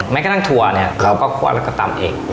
แม้กระทั่งถั่วเนี่ยเราก็คั่วแล้วก็ตำเอง